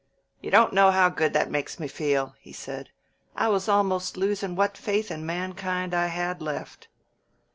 "You don't know how good that makes me feel," he said. "I was almost losin' what faith in mankind I had left."